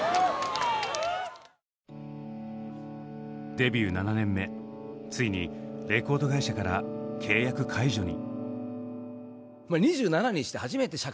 デビュー７年目ついにレコード会社から契約解除に。